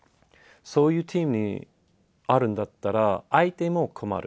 そういうチームにあるんだったら、相手も困る。